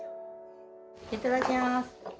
いただきます。